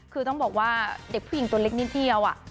คือต้องบอกว่าเด็กผู้หญิงตัวเล็กนิดเดียว